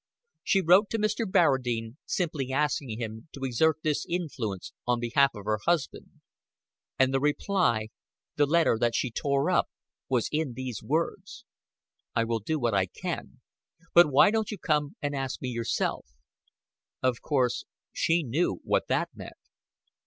She wrote to Mr. Barradine, simply asking him to exert this influence on behalf of her husband; and the reply the letter that she tore up was in these words: "I will do what I can; but why don't you come and ask me yourself?" Of course she knew what that meant.